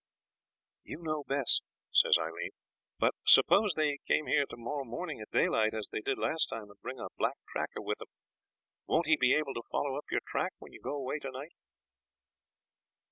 'You know best,' says Aileen; 'but suppose they come here to morrow morning at daylight, as they did last time, and bring a black tracker with them, won't he be able to follow up your track when you go away to night?'